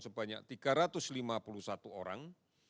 sebanyak tiga ratus lima puluh satu orang